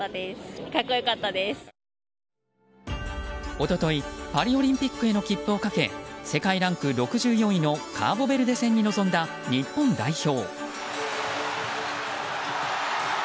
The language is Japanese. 一昨日パリオリンピックへの切符をかけ世界ランク６４位のカーボベルデ戦に臨んだ日本代表。